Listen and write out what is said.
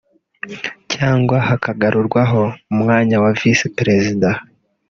cyangwa hakagarurwaho umwanya wa visi Perezida